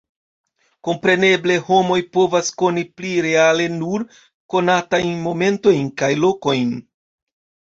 Kompreneble homoj povas koni pli reale nur konatajn momentojn kaj lokojn.